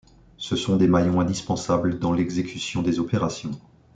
Ce sont des maillons indispensables dans l'exécution des opérations.